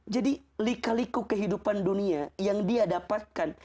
jadi lika liku kehidupan dunia yang dia dapatkan